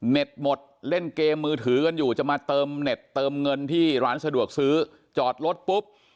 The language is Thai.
หมดเล่นเกมมือถือกันอยู่จะมาเติมเน็ตเติมเงินที่ร้านสะดวกซื้อจอดรถปุ๊บ